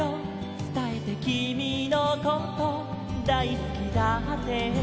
つたえてきみのこと大好きだって」